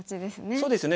そうですね